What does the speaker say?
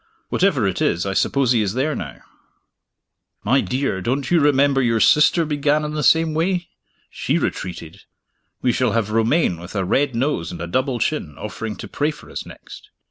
Whatever it is, I suppose he is there now." "My dear, don't you remember your sister began in the same way? She retreated. We shall have Romayne with a red nose and a double chin, offering to pray for us next!